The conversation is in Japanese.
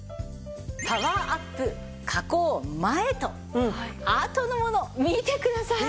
パワーアップ加工前とあとのもの見てください。